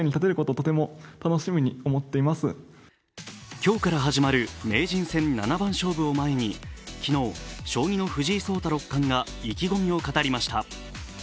今日から始まる名人戦七番勝負を前に昨日、将棋の藤井聡太六冠が意気込みを語りました。